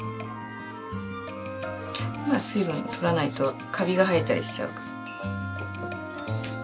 まあ水分取らないとカビが生えたりしちゃうから。